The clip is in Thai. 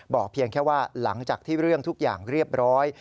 เพียงแค่ว่าหลังจากที่เรื่องทุกอย่างเรียบร้อย